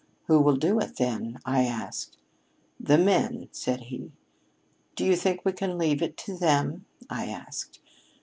'Who will do it, then?' I asked. 'The men,' said he. 'Do you think we can leave it to them?' I asked.